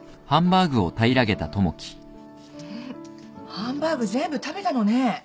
ハンバーグ全部食べたのね。